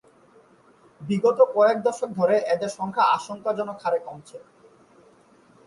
বিগত কয়েক দশক ধরে এদের সংখ্যা আশঙ্কাজনক হারে কমছে।